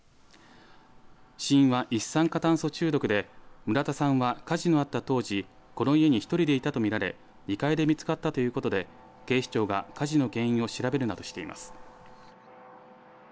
死因は、一酸化炭素中毒で村田さんは火事のあった当時この家に１人でいたと見られ遺体で見つかったということで警視庁が火事の原因を調べるなどしています。